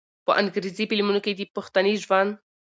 په انګرېزي فلمونو کښې د پښتني ژوند